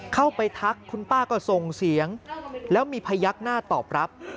เข้าไปทักคุณป้าก็ทรงเสียงแล้วมีพยักดิ์หน้าตอบรับ